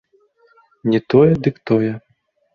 Не тое, дык тое.